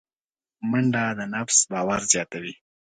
منډه د نفس باور زیاتوي